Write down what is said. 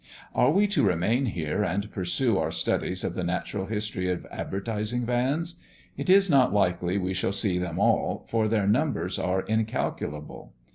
Are we to remain here and pursue our studies of the natural history of advertising vans? It is not likely we shall see them all, for their numbers are incalculable.